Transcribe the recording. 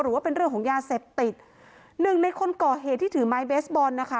ว่าเป็นเรื่องของยาเสพติดหนึ่งในคนก่อเหตุที่ถือไม้เบสบอลนะคะ